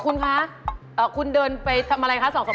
คุณคะคุณเดินไปทำอะไรคะ๒๓วันเดินตลาด